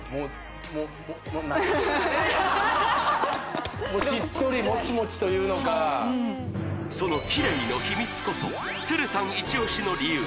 もう何ていうかなというのかそのきれいの秘密こそさんイチオシの理由